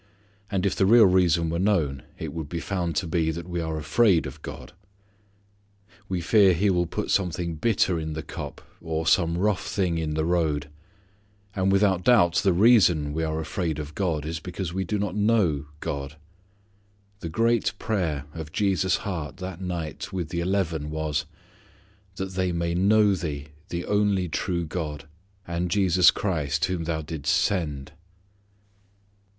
And if the real reason were known it would be found to be that we are afraid of God. We fear He will put something bitter in the cup, or some rough thing in the road. And without doubt the reason we are afraid of God is because we do not know God. The great prayer of Jesus' heart that night with the eleven was, "that they may know Thee the only true God, and Jesus Christ whom Thou didst send."